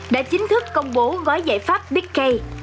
đã chính thức công bố gói giải pháp big k